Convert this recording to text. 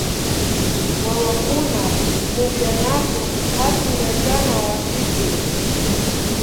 Wawakuna pukllanakun hatun yachana wasipi